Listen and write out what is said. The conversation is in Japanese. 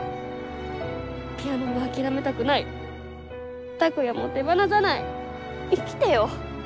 ピアノも諦めたくない拓哉も手放さない。